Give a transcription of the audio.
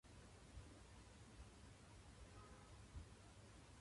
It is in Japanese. いくらでもいくらでもやり直す